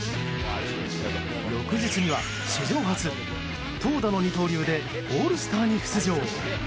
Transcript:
翌日には史上初、投打の二刀流でオールスターに出場。